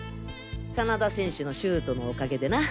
真田選手のシュートのおかげでな。